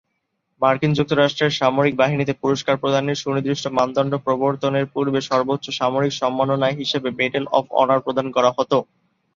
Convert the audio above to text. মার্কিন যুক্তরাষ্ট্রের সামরিক বাহিনীতে পুরস্কার প্রদানের সুনির্দিষ্ট মানদণ্ড প্রবর্তনের পূর্বে সর্বোচ্চ সামরিক সম্মাননা হিসেবে মেডেল অব অনার প্রদান করা হতো।